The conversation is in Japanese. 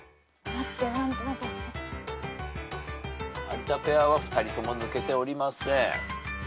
有田ペアは２人とも抜けておりません。